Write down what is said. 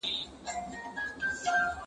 هغه څوک چي مړۍ خوري روغ وي،